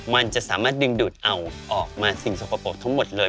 มันจะสามารถดึงดูดเอาออกมาสิ่งสกปรกทั้งหมดเลย